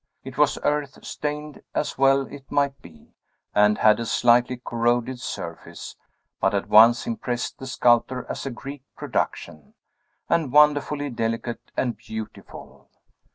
It was earth stained, as well it might be, and had a slightly corroded surface, but at once impressed the sculptor as a Greek production, and wonderfully delicate and beautiful.